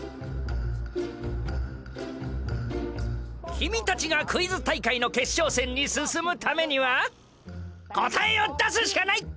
きみたちがクイズ大会のけっしょうせんにすすむためには答えを出すしかない！